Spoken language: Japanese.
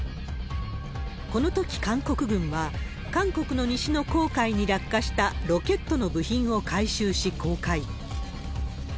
このとき韓国軍は、韓国の西の黄海に落下したロケットの部品を回収し公開。